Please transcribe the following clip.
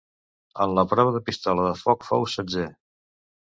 En la prova de pistola de foc fou setzè.